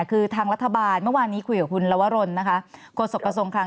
คือทางรัฐบาลเมื่อวานี้คุยกับคุณลวรรณโคนสกกสงคราง